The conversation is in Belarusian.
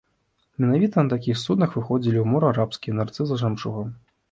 Менавіта на такіх суднах выходзілі ў мора арабскія нырцы за жэмчугам.